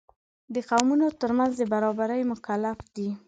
د قومونو تر منځ د برابرۍ مکلف دی.